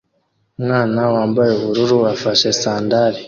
Umwana wambaye ubururu afashe sandal